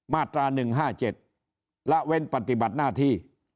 มาตรา๑๕๗ละเว้นปฏิบัติหน้าที่